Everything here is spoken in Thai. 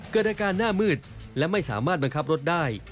เกิดอาการหน้ามืดและไม่สามารถบังคับรถได้